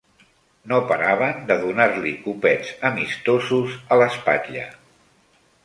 No paraven de donar-li copets amistosos a l'espatlla